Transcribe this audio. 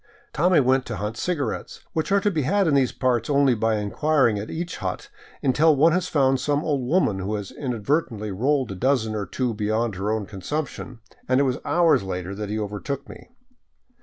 Tommy went to hunt cigarettes — which are to be had in these parts only by inquiring at each hut until one has found some old woman who has inadvertently rolled a dozen or two beyond her own consumption — and it was hours later that he overtook me.